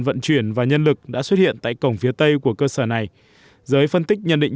vận chuyển và nhân lực đã xuất hiện tại cổng phía tây của cơ sở này giới phân tích nhận định